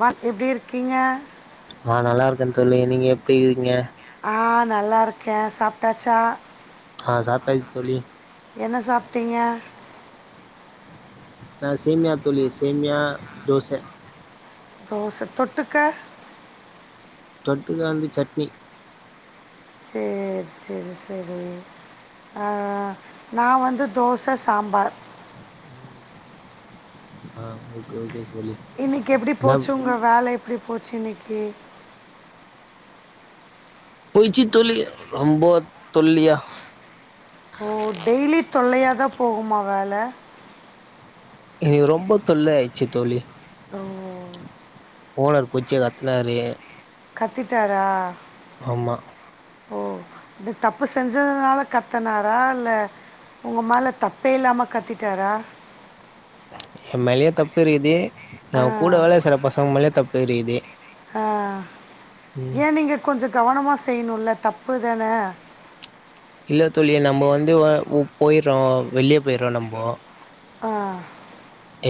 வாழ்த்து எப்டி இருக்கீங்க நா நல்லா இருக்கேன் தோழி நீங்க எப்படி இருக்கீங்க ஆ நல்லா இருக்கே சாப்ட்டாச்சா அ சாப்ட்டாச்சி தோழி என்ன சாப்ட்டீங்க நா சேமியா தோழி சேமியா தோச தோச தொட்டுக்க தொட்டுக வந்து சட்னி சேர் செரி செரி ஆ நா வந்து தோச சாம்பார் ம் ஆ ஓக்கே ஓக்கே தோழி இன்னிக்கி எப்டி நா போச்சு உங்க வேல எப்டி போச்சி இன்னிக்கி போய்ச்சி தொல்லய ரொம்ப தொல்லியா ஓ டெய்லி தொல்லையாதா போகுமா வேல இனிக் ரொம்ப தொல்லயாய்ச்சு தோழி ஓ ஓனர் பூச்சி கத்தனாரு கத்திட்டாரா ஆம்மா ஓ இந்த தப்பு செஞ்சதுனால கத்தனாரா இல்ல உங்க மேல தப்பே இல்லாம கத்திட்டாரா எ மேலயு தப்பு இருக்குது ஆ எ கூட வேல செய்ற பசங்க மேலயு தப்புயிருக்குது ஆ ஏ நீங்க கொஞ்ச கவனமா செய்யணுல்ல தப்பு தான இல்ல தோழி நம்ப வந்து ஒப் போய்றோ வெளியே போய்றோ நம்போ ஆ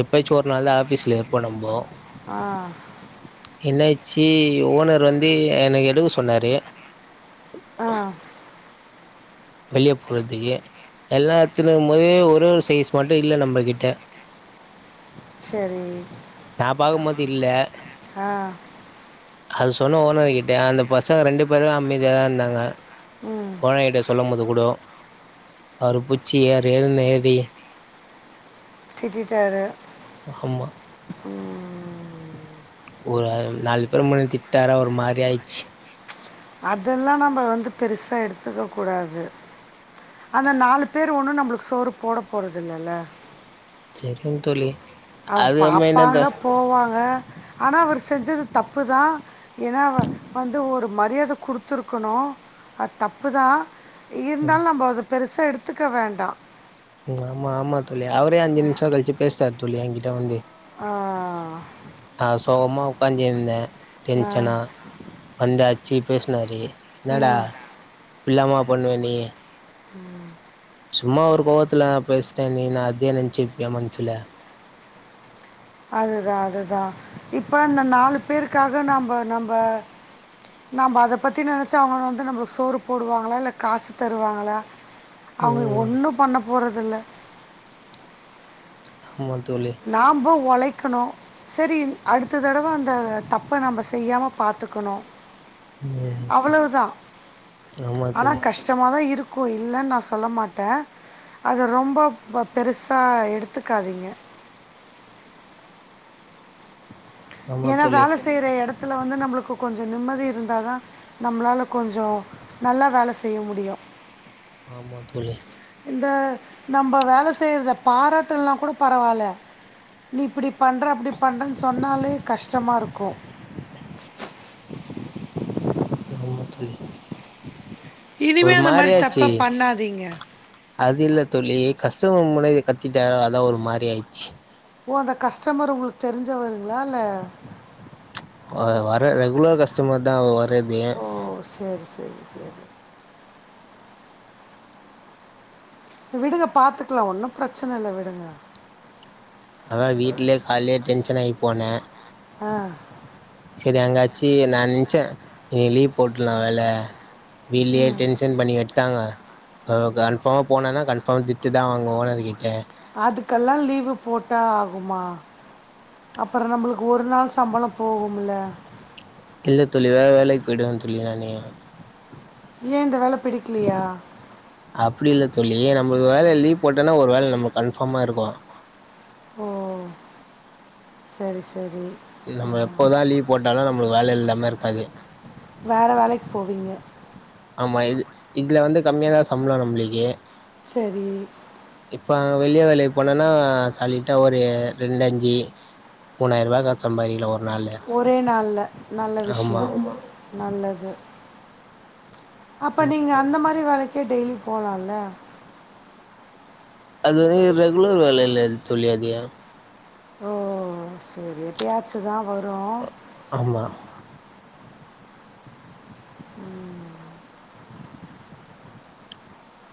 எப்பாச்சி ஒரு நாள் தா ஆஃபீஸ்ல இருப்போ நம்போ ஆ என்னாய்ச்சி ஓனர் வந்து என்ன எடுக்க சொன்னாரு ஆ வெளிய போறத்துக்கு எல்லாஎத்துனும்போது ஒரே ஒரு சைஸ் மட்டு இல்ல நம்ம கிட்ட ச்செரி நா பாக்கும்போது இல்ல ஆ அது சொன்னோ ஓனர் கிட்ட அந்த பசங்க ரெண்டு பேரு அமைதியாதா இருந்தாங்க ம் ஓனர்கிட்ட சொல்லம் போது கூடோ அவரு புச்சி ஏறு ஏறுன் ஏறி திட்டிட்டாரு ம் ஆமா ம் ஒரு நால் பேர் முன்னாடி திட்டாரா ஒரு மாரி ஆயிச்சு. அதெல்லா நம்ப வந்து பெருசா எடுத்துக்க கூடாது அந்த நாலு பேர் ஒன்னு நம்பளுக் சோறு போடப் போற்றது இல்லல சேரிங் தோழி அவங் அதுக்கப்புறமா என்னத்த பாப்பாங்க போவாங்க ஆனா அவர் செஞ்சது தப்புதா ஏன்னா அவ வந்து ஒரு மரியாத குடுத்துருக்கணு அது தப்புதா இருந்தாலு நம்ப அத பெருசா எடுத்துக்க வேண்டா ம் ஆமா ஆமா தோழி அவரே அஞ்சு நிமிஷோ கழிச்சு பேஸ்ட்டார் தோழி ஏங்கிட்ட வந்து ஆ நா சோகமா உக்காந்தி இருந்த ஆ டென்ஷனா வந்தாச்சி பேஸ்னாரு என்னடா, இப்பல்லாம்மா பண்ணுவே நீ? ம் சும்மா ஒரு கோவத்துல பேஸ்ட்டே நீ இன்னா அதிய நனச்சிப்பியா மனசுல அதுதா அதுதா இப்ப அந்த நாலுப்பேருக்காக நம்ப நம்ப நம்ப அதப் பத்தி நெனச்சா அவங்க வந்து நம்மளுக் சோறு போடுவாங்களா இல்ல காசு தருவாங்களா? அவரு ம் ஒண்ணு பண்ண போறதில்ல ஆமா தோழி நாம்ப உழைக்கணு சரி அடுத்த தடவை அந்த தப்ப நம்ம செய்யாம பாத்துக்கணு ம் அவ்ளோதா ஆமா ஆனா தோழி கஷ் டமாதா இருக்கும் இல்லன் நா சொல்ல மாட்டே அத ரொம்ப பெருசா எடுத்துக்காதீங்க ஆமா ஏன்னா தோழி வேல செய்ற இடத்துல வந்து நமக்கு கொஞ்சோ நிம்மதி இருந்தா தா நம்மளால கொஞ்சோ நல்லா வேல செய்ய முடியு ஆமா தோழி இந்த நம்ம வேலை செய்றத பாராட்டலன்னா கூட பரவால்ல நீ இப்டி பண்ற அப்டி பண்ணுறன்னு சொன்னாலே கஷ்டமா இருக்கூ ஆமா தோழி இனிமே ஒரு அந்த மாறி தப்ப பண்ணாதீங்க அதில்ல தோழி கஸ்டமர் முன்னாடி கத்திட்டாங்ளா அதா ஒரு மாதிரி ஆயிடிச்சு ஓ அந்த கஸ்டமரு உங்களுக்கு தெரிஞ்சவருங்களா இல்ல வ வர ரெகுலர் கஸ்டமர்தா அவ்ங்க ஓ சேரி சேரி சேரி விடுங்க பார்த்துக்கலா ஒன்னு பிரச்சனை இல்ல விடுங்க அதா வீட்லேயே கால்லியே டென்ஷன் ஆய் போனே அ சரி அங்காச்சி நா நென்ச்ச இன்னேகு லீவு போட்டுட்லா வேல வீட்லேயே டென்ஷன் பண்ணியாட் டாங்க அ கன்ஃபார்மா போனா கன்ஃபார்மா திட்டுதா வாங்குவோ ஓனர்கிட்ட அதுக்கெல்லா லீவ் போட்டா ஆகுமா அப்றோ நமக்கு ஒரு நாள் சம்பளோ போகும்ல இல்ல தோழி வேற வேலைக்கு போயிடுவே தோழி நானு ஏ இந்த வேலை பிடிக்கலையா அப்டி இல்ல தோழி நம்பளுக்கு வேளை லீவ் போட்டன்னா ஒருவேளை நம்பளுக்கு கன்ஃபார்மா இருக்கும் ஓ சரி சரி ஆ, நம்ம எப்போதா லீவ் போட்டாலு நம்மளுக்கு வேல இல்லாமல் இருக்காது வேற வேலைக்கு போவீங்க ஆமா இது இதுல வந்து கம்மியாதா சம்பளோ நம்ளுக்கே சரி இப்போ வெளியே வேலைக்கு போனேன்னா சாலிட்டா ஒரு ரெண்டஞ்சு மூணாயிரூபா காஸ் சம்பாரிக்கலா ஒரு நாள்ள ஒரே நாள்ல நல்ல விஷ்யோ நல்லது அப்ப நீங்க அந்த மாரி வேலக்கே டெய்லி போலால்ல அது வந்து ரெகுலர் வேல இல்ல தோழி அது ஓ சரி எப்பயாச்சுதா வரு ஆமா ம்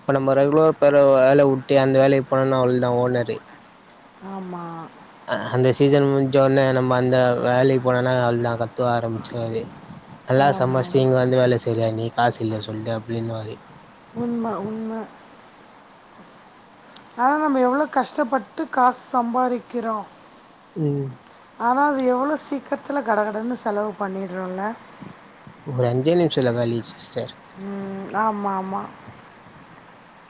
இப்ப நம்ப ரெகுலர் போற வேல உட்டு அந்த வேலைக்கு போனன்னா அவ்ளோ தா ஓனரு ஆமா அ ஹா அந்த சீசன் முஞ்ச ஒன்ன நம்ம அந்த வேலைக்கு போனோம்ன்னா அவ்ளோ தாக்கா த்து ஆரம்பிச்சுருவாரு நல்லா ஆமாம் சம்பாச்ட்டு ஆமாம் இங்க வந்து வேல செய்ரியா நீ காசு இல்லன் சொல்ட்டு அப்டின் வாரு உண்ம உண்ம ஆனா நம்ப எவ்ளோ கஷ்டப்பட்டு காஸ் சம்பாரிக்கிறோ ம் ஆனா அது எவ்ளோ சீக்கர்த்துல கட கடனு செலவு பண்ணிட்றோல்ல ஒரு அஞ்சே நிமிஷத்ல காலியாயிச்சி சிஸ்டர் ம் ஆமா ஆமா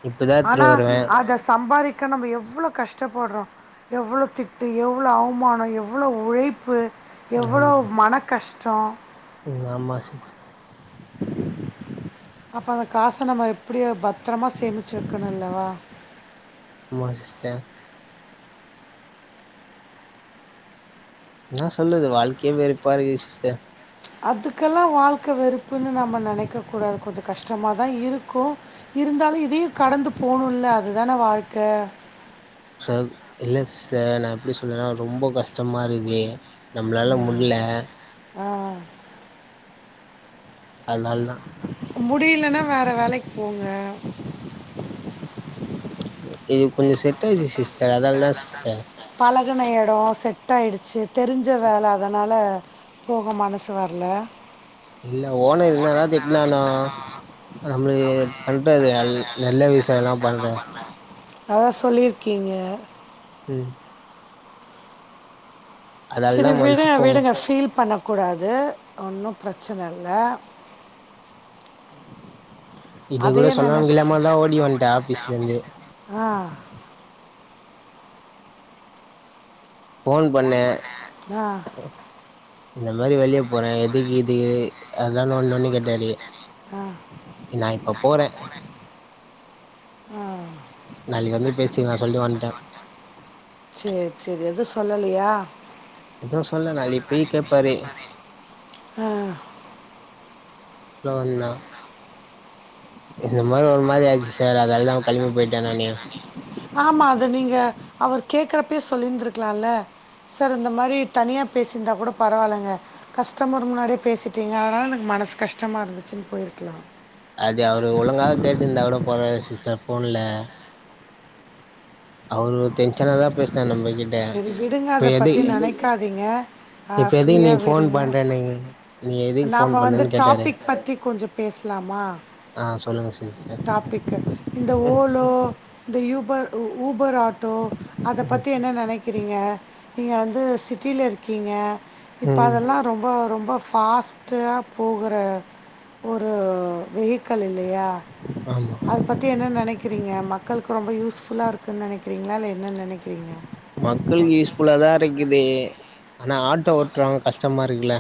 இப்பதா எத்துட்டு ஆனா வருவே அத சம்பாரிக் க்க நம்ம எவ்ளோ கஷ்டப்பட்றோ எவ்ளோ திட்டு எவ்ளோ அவ்மானோ எவ்ளோ உழைப்பு எவ்ளோ ஆமா மனக்கஷ்டோ ம் ஆமா சிஸ்சர் அப்போ அந்த காச நம்ம எப்டியோ பத்தரமா சேமிச்சி வெக்கணுல்லவா ஆமா சிஸ்டர் என்ன சொல்றது வாழ்க்கையே வெருப்பா இருக்குது சிஸ்டர் அதுக்கெல்லா வாழ்க்க வெறுப்புன்னு நாம நெனக்க கூடாது கொஞ்ச கஷ்டமா தா இருக்கு இருந்தாலு இதையு கடந்து போணுல்ல அது தான வாழ்க்க சர் இல்ல சிஸ்டர் நா எப்டி சொல்றனா ரொம்ப கஷ்டமா இருக்குதே ம் அ ஆ அத்னால் தா முடியிலனா வேற வேலைக் போங்க இது கொஞ்சோ செட் அயிர்ச்சி சிஸ் பழகன இடோ செ ட் ஆயிடுச்சி தெரிஞ்ச வேல அதனால போக மனசு வர்ல இல்ல ஓனர் என்னதா திட்னானு நம்மளுக்கு பண்றது நல் நல்ல விஷியல்லா பண்றா அதா சொல்லிர்க்கீங்க ம் அதால செரி தான் விடுங்க மன்னிச்சுப்போம் விடுங்க ஃபீல் பண்ண கூடாது ஒன்னு பிரச்சன இல்ல இது கூட அதையே சொல்லாம நெனச் கில்லாம தான் ஓடி வந்துட்டேன் ஆஃபீஸ்லேருந்து ஆ ஃபோன் பண்ணே ஆ இந்த மாரி வெளியே போறே எதுக் இதுக்கு அதெல்லா நோண் நோண்டி கேட்டாரு ஆ நா இப்போ போறே ஆ நாளைக்கு வந்து பேசிக்கலா சொல்ட்டு வன்ட்டே சேரி சேரி எது சொல்லலையா எதுவு சொல்ல நாளை போய் கேப்பாரு ஆ கூட வந்தா இந்த மாரி ஒரு மாரி ஆயிட்ச்சி சார் அதால்தா அவ கெளம்பி போயிட்டா நானே ஆமா அத நீங்க அவர் கேக்கறப்பே சொல்லிருந்திருக்கலால்ல. சார் இந்த மாரி தனியா பேசிருந்தா கூட பரவால்லங்க கஷ்டமர் முன்னாடியே பேசிட்டீங்க அதனால எனக்கு மனசு கஷ்டமா இருந்துச்சுன் போய்ர்க்கலா அது அவர் ஒழுங்காக கேட்டுருந்தா கூட பரவால சிஸ்டர் ஃபோன்ல அவரு டென்ஷனா தா பேசினாரு நம்மகிட்ட செரி விடுங்க இப்ப அத எது பத்தி நெனைக்காதீங்க. ஆ இப்ப எதுக்கு ஃப்ரீயா நீ ஃபோன் விடுங்க பண்றேன்னு நீ எதுக்கு ஃபோன் நாம்ம வந்து பண்ணன்னு கேட்டாரு டாபிக் பத்தி கொஞ்ச பேஸ்லாமா ஆ சொல்லுங்க சிஸ்டர் டாபிக்கு இந்த ம் ஓலோ இந்த யூபர் உ ஊபர் ஆட்டோ அத பத்தி என்ன நெனைக் கிறீங்க நீங்க வந்து சிட்டில இருக்கீங்க இப்போ ம் அதெல்லா ரொம்போ ரொம்போ ஃபாஸ்ட்டா போகற ஒரு வெஹிக்கல் இல்லயா ஆமா அத பத்தி என்ன நெனைக்கிறீங்க மக்கள்க்கு ரொம்ப யூஸ்ஃபுல்லா இருக்குன் நெனைக்கிறீங்ளா இல்ல என்ன நெனைக்கிறீங்க? மக்களுக்கு யூஸ்ஃபுல்லாதா இருக்குது ஆனா ஆட்டோ ஓட்டுறவங்க கஷ்டமா இருக்குல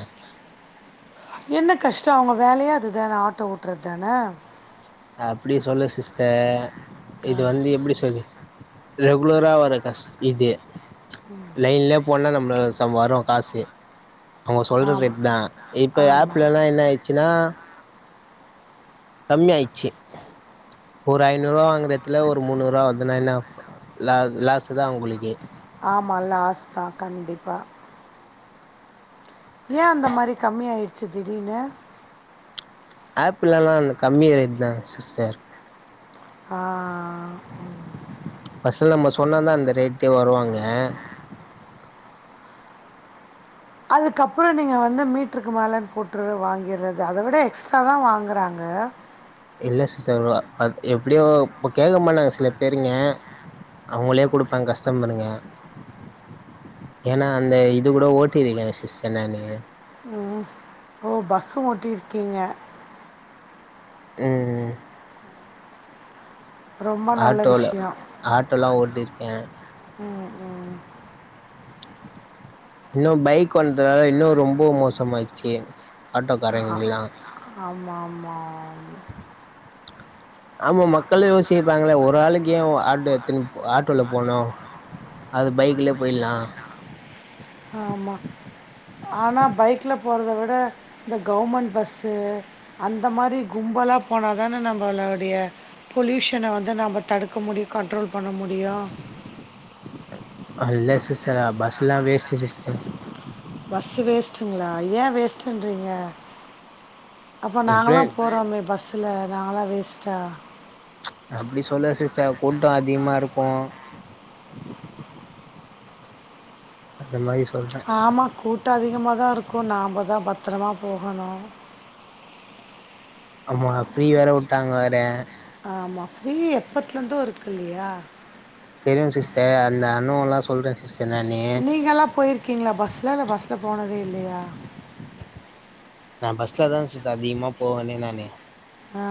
என்ன கஷ்டோ அவுங்க வேலையா அதுதான ஆட்டோ ஓட்றத் தான அப்படி சொல்ல சிஸ்ட ஆ இது வந்து எப்படி சொல்லி ரெகுலரா வர கஷ் இது லைன்லே போன்னா நம்மள ச வரு காசு அவுங்க சொல்ற ஆமாம் ரேட் தா இப்ப ஆமாம் ஆப்லனா என்ன ஆயிச்சுனா கம்மி ஆய்ச்சு ஒரு ஐநூறுவா வாங்குற எத்துல ஒரு முந்நூறுவா வர்துனா என்ன ஆகு லா லாஸுதா அவுங்களுக்கு ஆமா லாஸ் தா கண்டிப்பா ஏ அந்த மாரி கம்மி ஆயிட்ச்சு திடீனு ஆப்புலெலா அந்த கம்மி ரேட் தா சிஸ்டர் ஆ ம். ஃபஸ்ட்ல நம்ம சொன்னாதா அந்த ரேட்டே வருவாங்க அதுக்கப்புறோ நீங்க வந்து மீட்ருக்கு மேலன் போட்ரு வாங்கிற்றது அத விட எக்ஸ்ட்ரா தா வாங்குறாங்க இல்ல சிஸ்டர் ஒ அத் எப்பிடியோ இப்ப கேக்கமாட்டாங்க சில பேருங்க அவுங்களே குடுப்பாங்க கஸ்டமருங்க ஏனா அந்த இது கூட ஓட்டிருக்கே சிஸ்டர் நானு ம் ஓ பஸ்ஸு ஓட்டியிருக்கீங்க ம் ரொம்ப நல்ல ஆட்டோல விஷயம் ஆட்டோலா ஓட்டிருக்கே ம் ம் இன்னு பைக் வந்ததுனால இன்னு ரொம்பா மோசமாய்ச்சு ஆட்டோக்காரங்ளுக்கலா ஆம ஆமா ஆம் ஆமா மக்களு யோசிப்பாங்கள ஒரு ஆளுக்கு ஏ ஒ ஆட்டோ எத்தனு ஆட்டோல போனு அது பைக்கிலே போய்ல்லா ஆமா ஆனா பைக்ல போறத விட இந்த கவுமண் பஸ்ஸு அந்த மாரி கும்பலா போனாதான நம்பளோடிய பொல்யூஷன வந்து நம்ப தடுக்க முடியு கண்ட்ரோல் பண்ண முடியு அ இல்ல சிஸ்டர் அ பஸ்ஸெல்லா வேஸ்ட்டு சிஸ்டர் பஸ்ஸு வேஸ்ட்டுங்ளா ஏ வேஸ்ட்டுன்றீங்க அப்போ எப்டியு நாங்களாம் போறோமே பஸ்ஸுல நாங்களா வேஸ்ட்டா? அப்டி சொல்ல சிஸ்டர் கூட்டோ அதிகமா இருக்கு அந்த மாரி சொல்ற ஆமா கூட்டோ அதிகமாகதா இருக்கு நாம்ழதா பத்தரமா போகணு ஆமா ஃப்ரீ வேற வுட்டாங்க வேற ஆமா ஃப்ரீ எப்பத்துலெந்து இருக்கில்லயா தெரியு சிஸ்டர் அந்த அனுவன்லா சொல்றே சிஸ்டர் நானு நீங்கல்லா போயிருக்கீங்களா பஸ்ல இல்ல பஸ்ல போனதே இல்லையா நா பஸ்ல தா சிஸ்டர் அதிகமா போவேன்னே நானு ஆ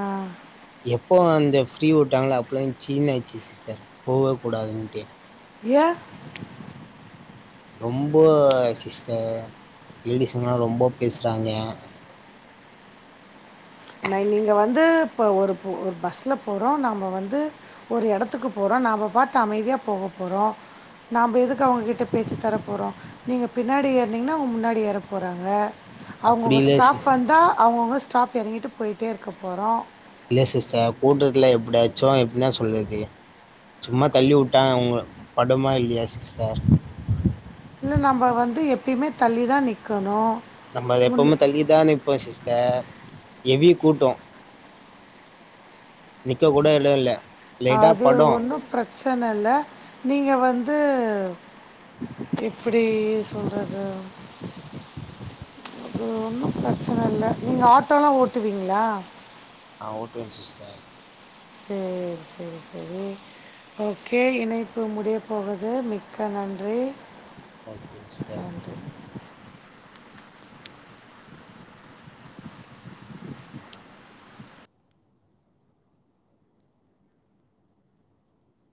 எப்போ அந்த ஃப்ரீ வுட்டாங்கள அப்லே ச்சீன்னு ஆச்சி சிஸ்டர் போக கூடாதுன்னட்டு ஏ ரொம்போ சிஸ்டர் லேடிஸ்ங்கலா ரொம்ப பேசுறாங்க ந நீங்க வந்து இப்ப ஒரு ஒரு பஸ்ல போறோம் நம்ப வந்து ஒரு எடத்துக்கு போறோ நாம்ப பாத்து அமைதியா போக போறோ நாம்ம எதுக்கு அவுங்ககிட்ட பேச்சி தர போறோ நீங்க பின்னாடி ஏறுனிங்கன்னா அவுங்க முன்னாடி ஏற போறாங்க அப்டி அவுங்கவுங்க இல்ல சி ஸ்டாப் வந்தா அவுங்கவுங்க ஸ்டாப் இறங்கிட்டு போயிட்டே இருக்க போறோ இல்ல சிஸ்டர் கூட்டத்துல எப்படியாச்சசு எப்டின்னா சொல்றது சும்மா தள்ளி வுட்டா உங்க படுமா இல்லையா சிஸ்டர் இல்ல நம்ம வந்து எப்பையுமே தள்ளி தா நிக்கணு நம்ம எப்பவுமே தள்ளியதா நிப்போ சிஸ்டர் எவி கூட்டோ நிக்க கூட எடோ இல்ல லைட்டா அது படு ஒன்னு பிரச்சன இல்ல நீங்க வந்து எப்டி சொல்றது அது ஒன்னு பிரச்சன இல்ல நீங்க ஆட்டோல்லா ஓட்டுவீங்களா ஆ ஓட்டுவே சிஸ்டர் சேரி சேரி சேரி ஓகே இணைப்பு முடிய போகுது மிக்க நன்றி ஓகே சிஸ்டர் நன்றி